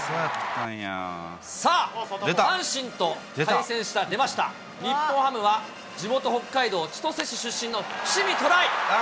さあ、阪神と対戦した、出ました、日本ハムは地元北海道千歳市出身の伏見寅威。